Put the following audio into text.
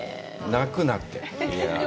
泣くなって。